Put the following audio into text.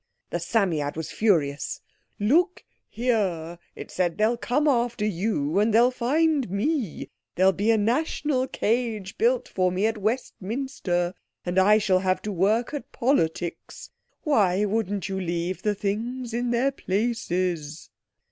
The Psammead was furious. "Look here," it said, "they'll come after you, and they'll find me. There'll be a National Cage built for me at Westminster, and I shall have to work at politics. Why wouldn't you leave the things in their places?"